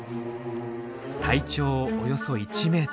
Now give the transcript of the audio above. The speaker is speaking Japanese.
体長およそ１ｍ。